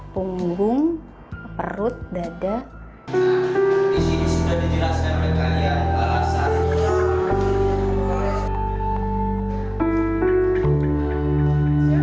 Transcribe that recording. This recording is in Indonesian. posisinya mulai dari kepala